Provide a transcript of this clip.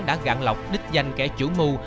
đã gạn lọc đích danh kẻ chủ mưu